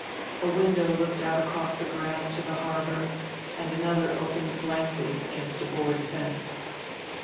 A window looked out across the grass to the harbor and another opened blankly against a board fence.